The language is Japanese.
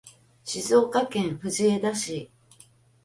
静岡県藤枝市